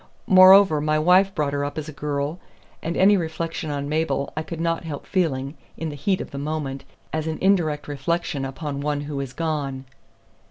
Moreover, my wife brought her up as a girl, and any reflection on Mabel I could not help feeling, in the heat of the moment, as an indirect reflection upon one who is gone."